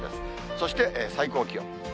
そして最高気温。